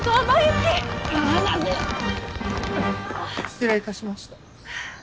失礼致しました。